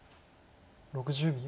６０秒。